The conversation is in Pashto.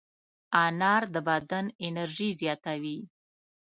انار د بدن انرژي زیاتوي.